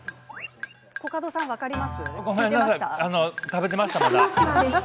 コカドさん、分かります？